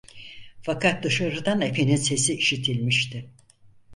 Fakat dışarıdan efenin sesi işitilmişti.